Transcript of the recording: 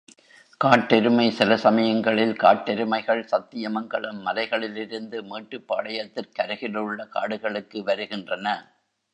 காட்டெருமை சில சமயங்களில் காட்டெருமைகள் சத்தியமங்கலம் மலைகளிலிருந்து மேட்டுப்பாளையத்திற் கருகிலுள்ள காடுகளுக்கு வருகின்றன.